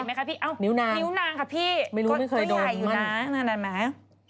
เอาวงไหนหรือนิ้วนางไม่รู้ไม่เคยโดนมั่นนั่นแหวนมั้ย